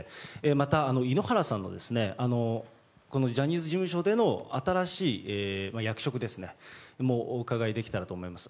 また、井ノ原さんのジャニーズ事務所での新しい役職もお伺いできたらと思います。